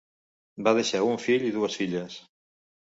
Va deixar un fill i dues filles.